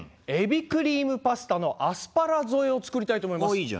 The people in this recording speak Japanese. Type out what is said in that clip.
エビクリームパスタのアスパラ添えを作りたいと思います。